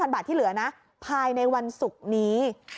๑๕๐๐๐บาทที่เหลือผ่านในวันศุกร์นี้